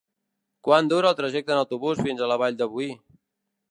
Quant dura el trajecte en autobús fins a la Vall de Boí?